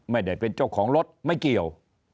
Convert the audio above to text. ไม่ได้เป็นเจ้าของรถไม่เกี่ยว